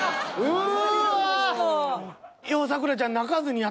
うわ！